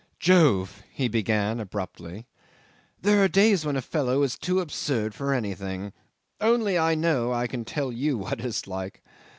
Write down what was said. '"Jove!" he began abruptly, "there are days when a fellow is too absurd for anything; only I know I can tell you what I like.